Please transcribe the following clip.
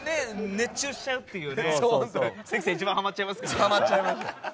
関さん一番ハマっちゃいますね。